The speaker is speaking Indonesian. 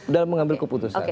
udah mengambil keputusan